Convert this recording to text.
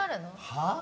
・はあ？